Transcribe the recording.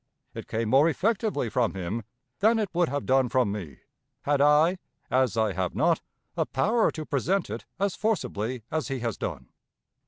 It came more effectively from him than it would have done from me, had I (as I have not) a power to present it as forcibly as he has done.